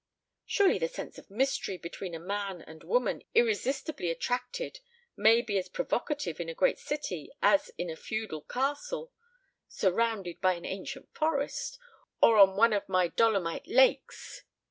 "Surely the sense of mystery between a man and woman irresistibly attracted may be as provocative in a great city as in a feudal castle surrounded by an ancient forest or on one of my Dolomite lakes.